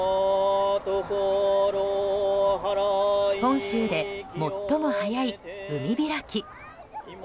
本州で最も早い海開き。